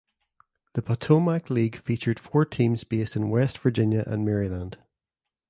The Potomac League featured four teams based in West Virginia and Maryland.